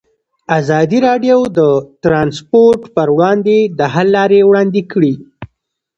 ازادي راډیو د ترانسپورټ پر وړاندې د حل لارې وړاندې کړي.